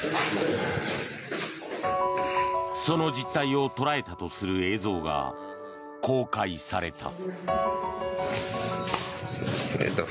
その実態を捉えたとする映像が公開された。